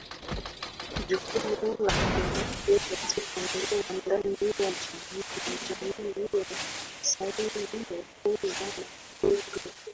jukumu la mwanamke katika ndoa ndani ya jamii ya kimasaini ni kuzaa watoto